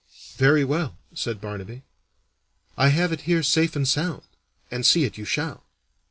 "Very well," said Barnaby; "I have it here safe and sound, and see it you shall."